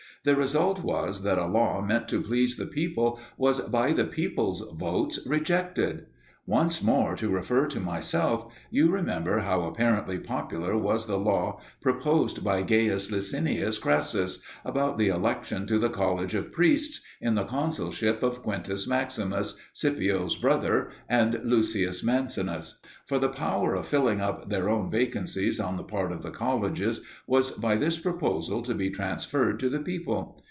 The result was that a law meant to please the people was by the people's votes rejected. Once more to refer to myself, you remember how apparently popular was the law proposed by Gaius Licinius Crassus "about the election to the College of Priests" in the consulship of Quintus Maximus, Scipio's brother, and Lucius Mancinus. For the power of filling up their own vacancies on the part of the colleges was by this proposal to be transferred to the people.